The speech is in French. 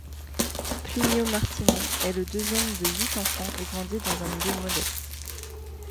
Plinio Martini est le deuxième de huit enfants et grandit dans un milieu modeste.